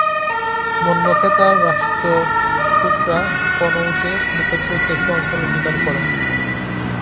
মন্যখেতার রাষ্ট্রকূটরা কনৌজের নিকটবর্তী একটি অঞ্চল অধিকার করে।